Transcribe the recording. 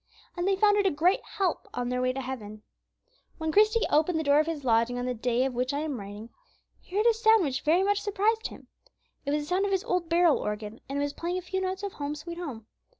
And they found it a great help on their way to heaven. When Christie opened the door of his lodging on the day of which I am writing, he heard a sound which very much surprised him. It was the sound of his old barrel organ, and it was playing a few notes of "Home, sweet Home."